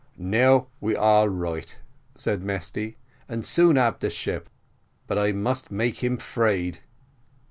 "Now we all right," said Mesty, "and soon ab de ship; but I must make him 'fraid."